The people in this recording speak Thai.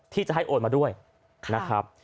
ที่จะให้โอนมาด้วยนะครับ